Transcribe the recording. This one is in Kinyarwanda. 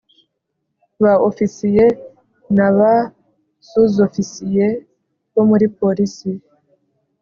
ba ofisiye na ba suzofisiye bo muri polis